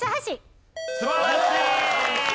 素晴らしい！